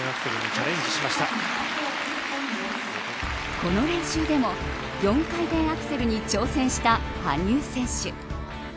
この練習でも４回転アクセルに挑戦した羽生選手。